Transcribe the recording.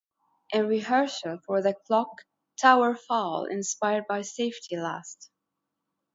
In rehearsal for the clock tower fall inspired by Safety Last!